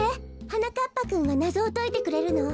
はなかっぱくんがなぞをといてくれるの？